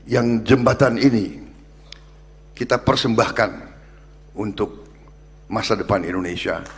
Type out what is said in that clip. yang jembatan ini kita persembahkan untuk masa depan indonesia